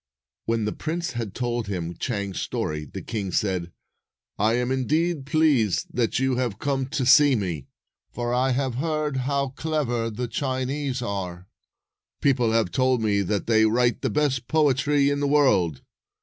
When the prince had told him Chang's story, the king said, " I am, indeed, pleased that you have come to see me, for I have heard how clever the Chinese are. People have told me that they write the best poetry in the world.